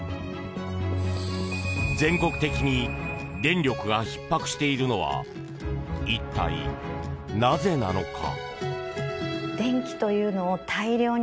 全国的に電力がひっ迫しているのは一体、なぜなのか？